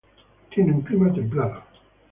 Tiene un clima Templado.